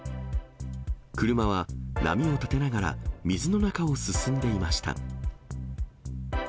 車は波を立てながら、水の中を進んでいました。